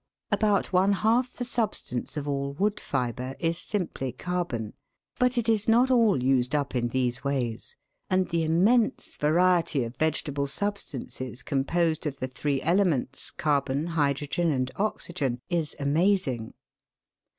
About one half the substance of all wood fibre is simply carbon ; but it is not all used up in these ways, and the immense variety of vegetable substances, composed of the three elements, carbon, hydrogen, and oxygen, is amazing.